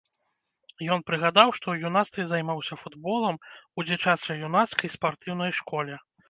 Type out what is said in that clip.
Ён прыгадаў, што ў юнацтве займаўся футболам у дзіцяча-юнацкай спартыўнай школе.